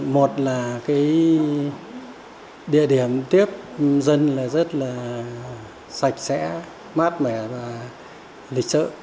một là địa điểm tiếp dân rất sạch sẽ mát mẻ và lịch sử